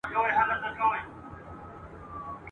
خلک هر څه کوي خو هر څه نه وايي ..